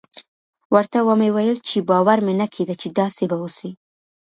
ورته ومې ويل چې باور مې نه کېده چې داسې به وسي.